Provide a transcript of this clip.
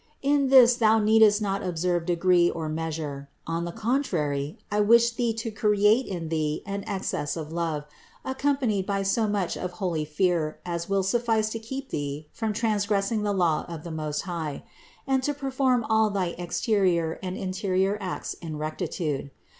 In this thou needst not observe degree or measure ; on the contrary I wish thee to create in thee an excess of love, accompanied by so much of holy fear as will suffice to keep thee from transgressing the law THE INCARNATION 445 of the Most High, and to perform all thy exterior and interior acts in rectitude.